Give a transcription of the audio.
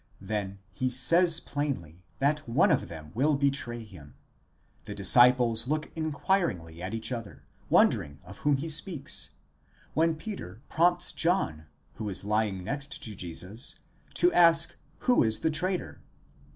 Then he says plainly, that one of them will betray him; the disciples look inquiringly at each other, wondering of whom he speaks, when Peter prompts John, who is lying next to Jesus, to ask who is the traitor?